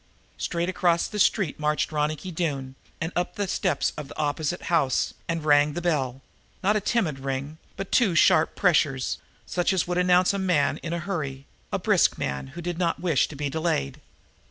Straight across the street marched Ronicky Doone and up the steps of the opposite house and rang the bell not a timid ring, but two sharp pressures, such as would announce a man in a hurry, a brisk man who did not wish to be delayed.